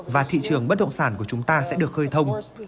và thị trường bất động sản của chúng ta sẽ được khơi thông